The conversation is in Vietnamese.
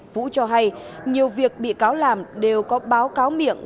vũ cho hay nhiều việc bị cáo làm đều có báo cáo miệng